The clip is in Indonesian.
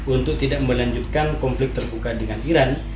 untuk tidak melanjutkan konflik terbuka dengan iran